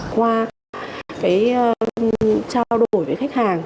qua cái trao đổi với khách hàng